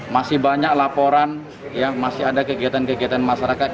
masih banyak laporan masih ada kegiatan kegiatan masyarakat